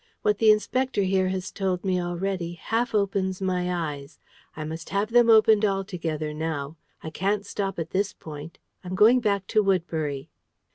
What the Inspector here has told me already, half opens my eyes: I must have them opened altogether now. I can't stop at this point. I'm going back to Woodbury."